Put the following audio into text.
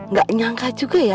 gak nyangka juga ya